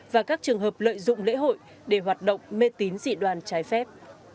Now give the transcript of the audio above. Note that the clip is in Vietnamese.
và các trường hợp lợi dụng lễ hội để hoạt động mê tín dị đoàn trái phép